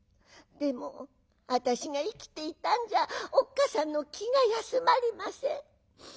でも私が生きていたんじゃおっかさんの気が休まりません。